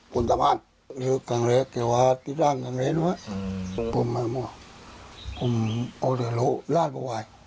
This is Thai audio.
ปุ๊บมาเนี่ยพูดว่าผมเอาอยู่ร่านไปไว้